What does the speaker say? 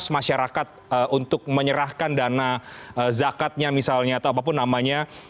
masyarakat untuk menyerahkan dana zakatnya misalnya atau apapun namanya